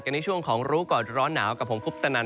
กันในช่วงรูอกดร้อนหนาวกับผมคุกตนัน